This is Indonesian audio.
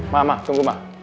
mama tunggu ma